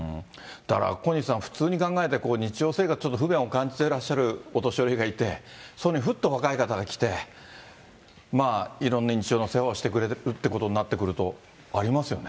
だから小西さん、ちょっと不便を感じてらっしゃるお年寄りがいて、そこにふっと若い方が来て、いろんな日常の世話をしてくれるっていうことになると、あります